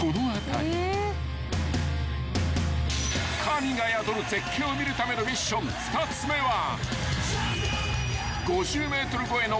［神が宿る絶景を見るためのミッション２つ目は］